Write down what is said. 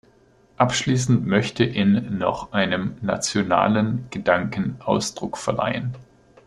Abschließend möchte in noch einem nationalen Gedanken Ausdruck verleihen.